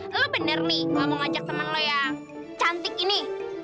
lo bener nih gue mau ngajak temen lo yang cantik ini